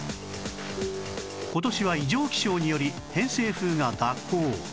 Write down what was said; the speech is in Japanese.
今年は異常気象により偏西風が蛇行